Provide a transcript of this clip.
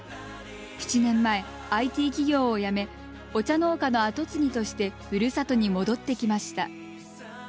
７年前、ＩＴ企業を辞めお茶農家の後継ぎとしてふるさとに戻ってきました。